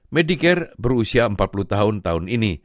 medicare berusia empat puluh tahun tahun ini